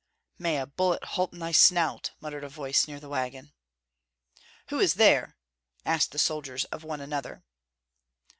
"May a bullet halt in thy snout!" muttered a voice near the wagon. "Who is there?" asked the soldiers of one another.